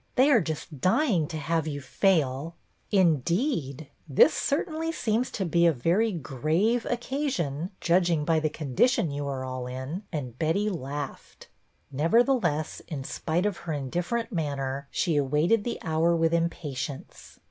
They are just dying to have you fail." 90 BETTY BAIRD " Indeed ! This certainly seems to be a very grave occasion, judging by the condi tion you are all in ;" and Betty laughed. Nevertheless, in spite of her indifferent manner, she awaited the hour with impa tience.